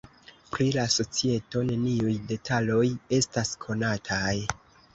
Pri la societo, neniuj detaloj estas konataj.